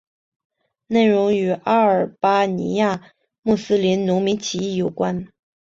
内容与阿尔巴尼亚穆斯林农民起义有关。